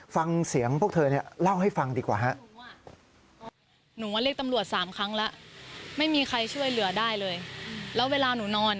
ฟังเสียงพวกเธอเล่าให้ฟังดีกว่าฮะ